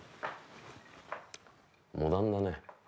モダンだねこれ。